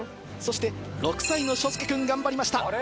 そして６歳の渚介くん頑張りました。